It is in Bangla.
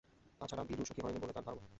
তা ছাড়া, বিলু সুখী হয় নি বলে তাঁর ধারণা।